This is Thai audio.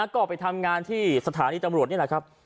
ก็ไปทำงานที่ศาลิจริงตำรวจนี่ล่ะครับ